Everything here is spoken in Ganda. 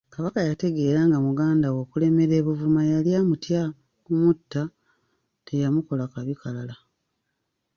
Kabaka yategeera nga mugandawe okulemera e Buvuma yali amutya kumutta, teyamukola kabi kalala.